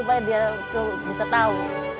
supaya dia tuh bisa tau